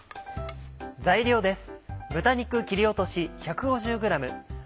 材料です。